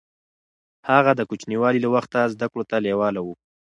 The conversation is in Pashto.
هغه د کوچنيوالي له وخته زده کړو ته لېواله و.